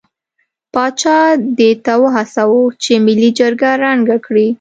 پاچا دې ته هڅاوه چې ملي جرګه ړنګه کړي.